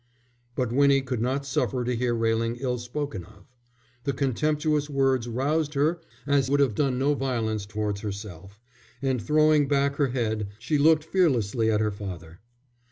But Winnie could not suffer to hear Railing ill spoken of. The contemptuous words roused her as would have done no violence towards herself, and throwing back her head, she looked fearlessly at her father.